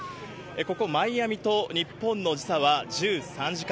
ここ、マイアミと日本の時差は１３時間。